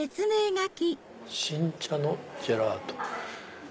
「新茶のジェラート」。